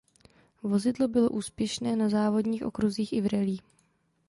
Vozidlo bylo úspěšné na závodních okruzích i v rallye.